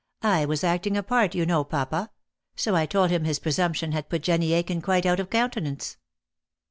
"I was acting a part, you know, papa ; so I told him his presumption had put Jenny Aiken quite out of countenance."